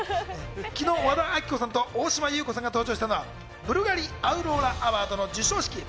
昨日、和田アキ子さんと大島優子さんが登場したのはブルガリ・アウローラ・アワードの授賞式。